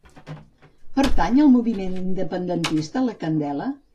Pertany al moviment independentista la Candela?